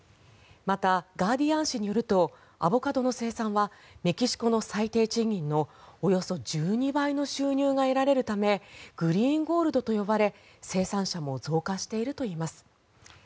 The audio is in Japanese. またガーディアン紙によるとアボカドの生産はメキシコの最低賃金のおよそ１２倍の収入が得られるためグリーン・ゴールドと呼ばれ生産者も増加しているといいます。